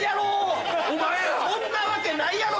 そんなわけないやろ！